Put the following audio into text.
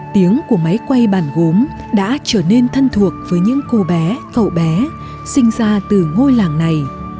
tiếng của máy quay bản gốm đã trở nên thân thuộc với những cô bé cậu bé sinh ra từ ngôi làng này